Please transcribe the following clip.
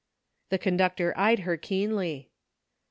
The conductor eyed her keenly.